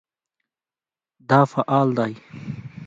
دا فعل دی